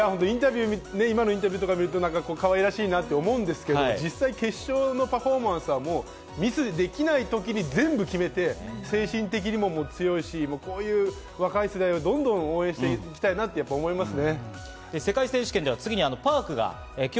インタビューを見ると可愛らしいなと思うんですけど、実際、決勝のパフォーマンスは、ミスできないときに全部決めて、精神的にも強いし、こういう若い世代をどんどん応援していきたいなと思いますね。